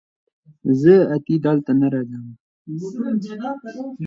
زه اتي دلته نه راځم